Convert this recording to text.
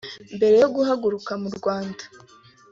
Mbere yo guhaguruka mu Rwanda